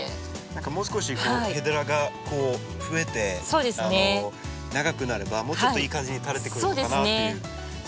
何かもう少しヘデラがふえて長くなればもうちょっといい感じに垂れてくれるのかなっていう。